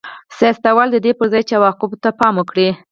سیاستوالو د دې پر ځای چې عواقبو ته پام وکړي